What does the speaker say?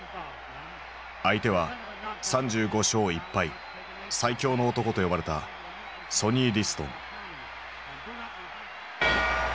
相手は３５勝１敗「最強の男」と呼ばれたソニー・リストン。